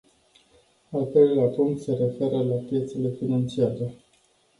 Al treilea punct se referă la piețele financiare.